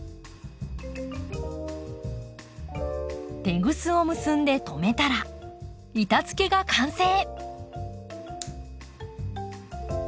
テグスを結んで留めたら板づけが完成。